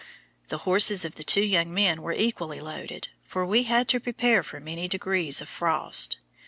The horses of the two young men were equally loaded, for we had to prepare for many degrees of frost.